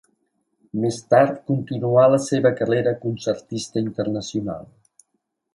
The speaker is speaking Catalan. Més tard continuà la seva carrera concertista internacional.